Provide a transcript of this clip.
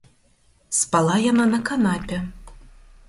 Спала яна на канапе.